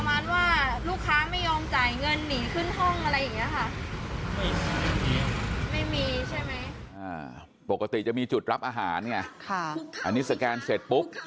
ไม่มีใช่ไหมปกติจะมีจุดรับอาหารเนี่ยอันนี้สแกนเสร็จปุ๊บ